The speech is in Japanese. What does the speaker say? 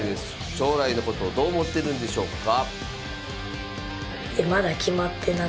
将来のことをどう思ってるんでしょうか。